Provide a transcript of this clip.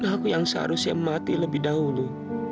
aku yang seharusnya mati lebih dahulu